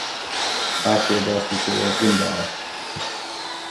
ئاخ لە داخی تۆ وەزگم داوە!